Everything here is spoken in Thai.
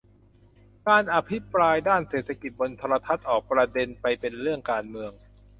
การอภิปรายด้านเศรษฐกิจบนโทรทัศน์ออกประเด็นไปเป็นเรื่องการเมือง